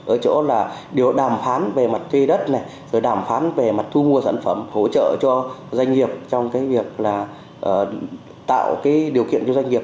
ở chỗ là đàm phán về mặt thuê đất đàm phán về mặt thu mua sản phẩm hỗ trợ cho doanh nghiệp trong việc tạo điều kiện cho doanh nghiệp